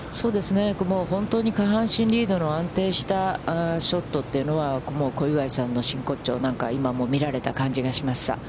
本当に下半身リードの安定したショットというのは、小祝さんの真骨頂、今も見られた感じがしました。